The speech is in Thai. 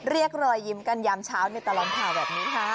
รอยยิ้มกันยามเช้าในตลอดข่าวแบบนี้ค่ะ